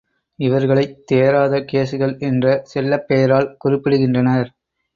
இவர்களைத் தேறாத கேசுகள் என்ற செல்லப் பெயரால் குறிப்பிடுகின்றனர்.